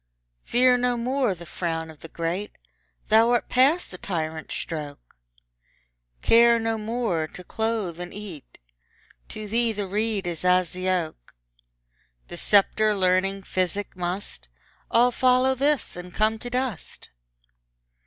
Fear no more the frown of the great, Thou art past the tyrant's stroke: Care no more to clothe and eat; To thee the reed is as the oak: The sceptre, learning, physic, must All follow this, and come to dust.